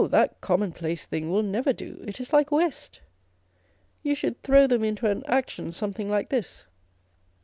that commonplace thing will never do, it is like West ; you should throw them into an action something like this."